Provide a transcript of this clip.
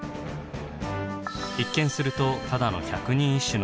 一見するとただの百人一首のようですが。